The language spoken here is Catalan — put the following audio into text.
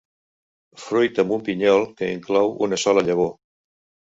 Fruit amb un pinyol que enclou una sola llavor.